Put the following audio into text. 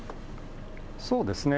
そうですね。